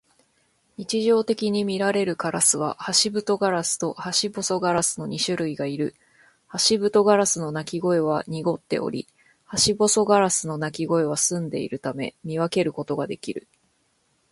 日常的にみられるカラスはハシブトガラスとハシボソガラスの二種類がいる。ハシブトガラスの鳴き声は濁っており、ハシボソガラスの鳴き声は澄んでいるため、見分けることができる。